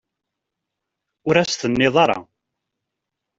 Ur as-t-tenniḍ ara.